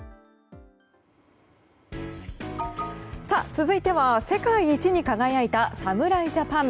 続いては、世界一に輝いた侍ジャパン。